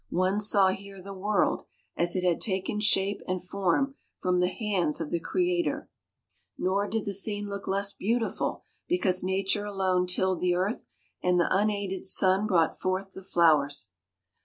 One saw here the world, as it had taken shape and form from the hands of the Creator. Nor did the scene look less beautiful because nature alone tilled the earth, and the unaided sun brought forth the flowers.